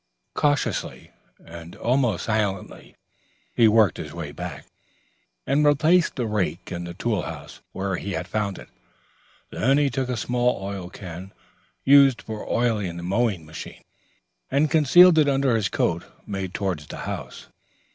Cautiously and almost silently he worked his way back, and replaced the rake in the tool house where he had found it. Then he took the small oil can used for oiling the mowing machine, and concealing it under his coat made towards the house.